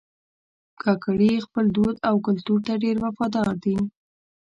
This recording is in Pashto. کاکړي خپل دود او کلتور ته ډېر وفادار دي.